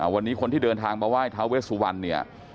วันนี้คนที่เดินทางมาไหว้ทาเวสวันเนี่ย